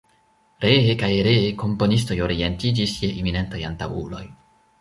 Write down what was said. Ree kaj ree komponistoj orientiĝis je eminentaj antaŭuloj.